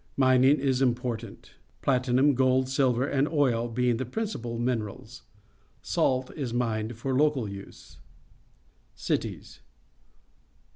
Mining is important, platinum, gold, silver, and oil being the principal minerals. Salt is mined for local use. Cities.